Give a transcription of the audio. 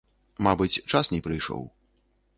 Мабыць, час не прыйшоў.